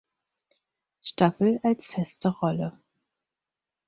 Staffel als feste Rolle.